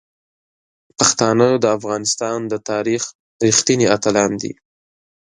پښتانه د افغانستان د تاریخ رښتیني اتلان دي.